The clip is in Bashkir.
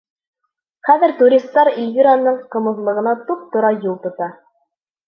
Хәҙер туристар Ильвираның ҡымыҙлығына туп-тура юл тота.